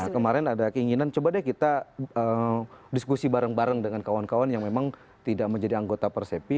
kemarin ada keinginan coba deh kita diskusi bareng bareng dengan kawan kawan yang memang tidak menjadi anggota persepi